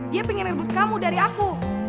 dia pengen rebut kamu dari aku